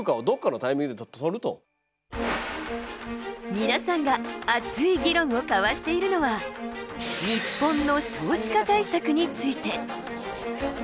皆さんが熱い議論を交わしているのは日本の少子化対策について。